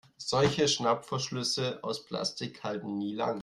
Solche Schnappverschlüsse aus Plastik halten nie lange.